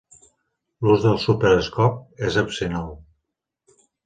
L'ús del Super Scope és opcional.